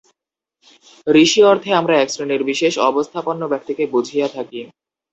ঋষি-অর্থে আমরা এক শ্রেণীর বিশেষ-অবস্থাপন্ন ব্যক্তিকে বুঝিয়া থাকি।